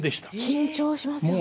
緊張しますね。